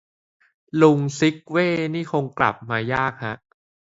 ลุงซิคเว่นี่คงกลับมายากฮะ